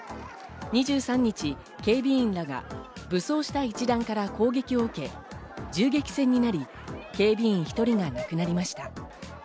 ２３日、警備員らが武装した一団から攻撃を受け、銃撃戦になり、警備員１人が亡くなりました。